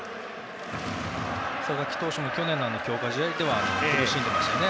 佐々木投手も去年の強化試合では苦しんでましたよね。